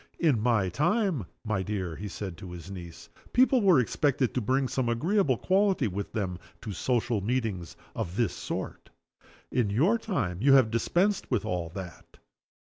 "In my time, my dear," he said to his niece, "people were expected to bring some agreeable quality with them to social meetings of this sort. In your time you have dispensed with all that.